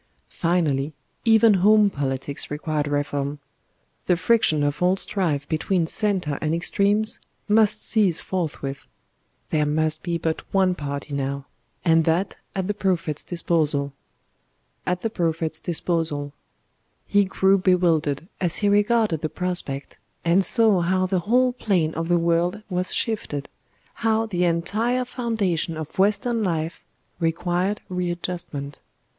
Finally, even home politics required reform: the friction of old strife between centre and extremes must cease forthwith there must be but one party now, and that at the Prophet's disposal.... He grew bewildered as he regarded the prospect, and saw how the whole plane of the world was shifted, how the entire foundation of western life required readjustment.